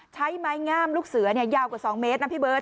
ใช้ไม้งามลูกเสือยาวกว่า๒เมตรนะพี่เบิร์